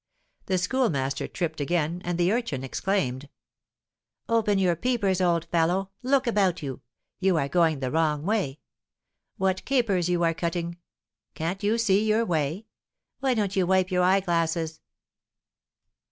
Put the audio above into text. The Schoolmaster tripped again, and the urchin exclaimed: "Open your peepers, old fellow; look about you. You are going the wrong way. What capers you are cutting! Can't you see your way? Why don't you wipe your eye glasses?"